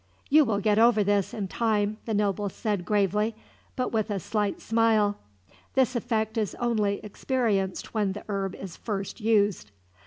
"You will get over this, in time," the noble said gravely, but with a slight smile. "This effect is only experienced when the herb is first used."